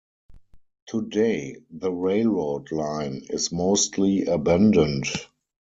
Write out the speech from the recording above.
Today the railroad line is mostly abandoned.